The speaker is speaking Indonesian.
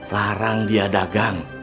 larang dia dagang